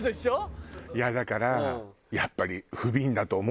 いやだからやっぱり。